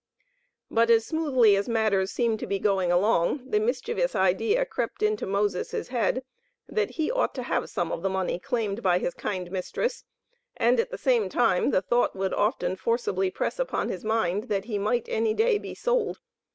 But as smoothly as matters seemed to be going along, the mischievous idea crept into Moses' head, that he ought to have some of the money claimed by his "kind" mistress, and at the same time, the thought would often forcibly press upon his mind that he might any day be sold.